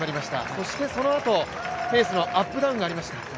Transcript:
そしてそのあと、ペースのアップダウンがありました